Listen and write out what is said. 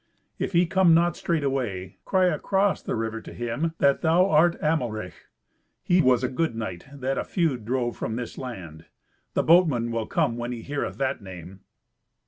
If he come not straightway, cry across the river to him that thou art Amelrich; he was a good knight, that a feud drove from this land. The boatman will come when he heareth that name."